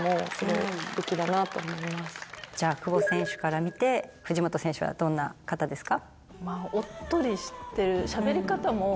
じゃあ久保選手から見て藤本選手はどんな方ですか？